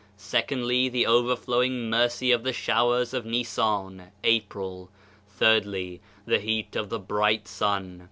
Sec ondly, the overflowing mercy of the Showers of Nissan (April). Thirdly, the heat of the bright Sun.